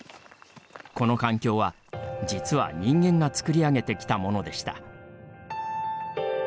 この環境は、実は人間が作り上げてきたものでした。